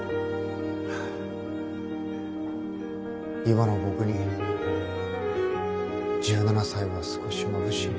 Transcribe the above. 今の僕に１７才は少しまぶしい。